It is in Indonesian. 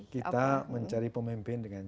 kita mencari pemimpin dengan